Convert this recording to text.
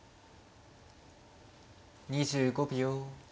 ２５秒。